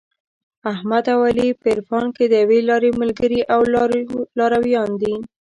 احمد او علي په عرفان کې د یوې لارې ملګري او لارویان دي.